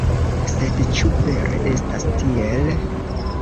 Sed ĉu vere estas tiel?